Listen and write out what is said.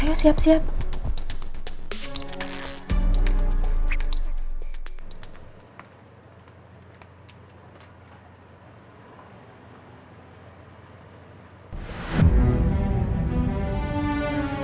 aku mau pulang